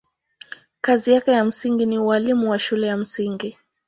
Kazi yake ya msingi ni ualimu wa shule ya msingi.